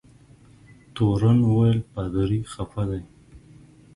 تورن وویل پادري خفه دی.